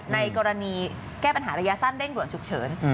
ในกรณีแก้ปัญหาระยะสั้นเร่งด่วนฉุกเฉิน